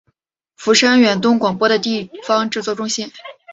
釜山远东广播的地方制作中心。